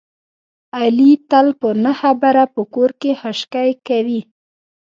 علي تل په نه خبره په کور کې خشکې کوي.